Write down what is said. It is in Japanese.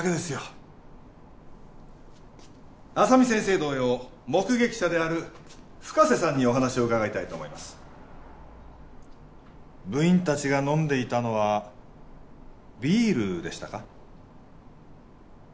同様目撃者である深瀬さんにお話を伺いたいと思います部員達が飲んでいたのはビールでしたか？